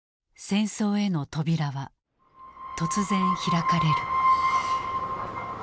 戦争への扉は突然開かれる。